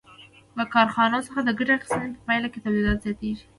له کارخانو څخه د ګټې اخیستنې په پایله کې تولیدات زیاتېږي